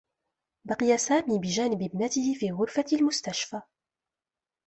بقي سامي بجانب ابنته في غرفة المستشفى.